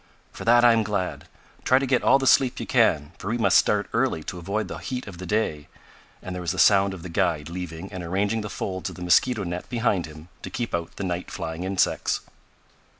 "For that I am glad. Try to get all the sleep you can, for we must start early to avoid the heat of the day," and there was the sound of the guide leaving and arranging the folds of the mosquito net behind him to keep out the night flying insects.